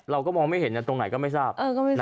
เราก็มองไม่เห็นตรงไหนก็ไม่ทราบ